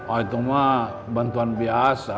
oh itu mah bantuan biasa